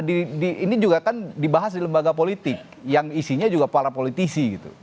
nah ini juga kan dibahas di lembaga politik yang isinya juga para politisi gitu